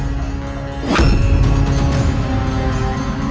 jangan sampai terlalu lama